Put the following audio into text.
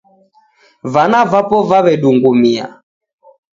Vana vapo vawedungumia.